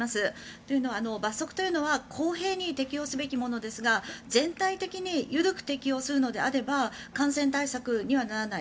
というのは罰則というのは公平に適用すべきものですが全体的に緩く適用するのであれば感染対策にはならない。